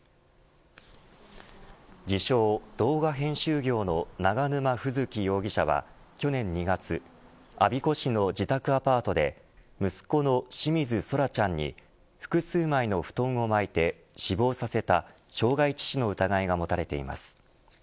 自称、動画編集業の永沼楓月容疑者は去年２月我孫子市の自宅アパートで息子の清水奏良ちゃんに複数枚の布団を巻いて死亡させた傷害致死の疑いが持たれています。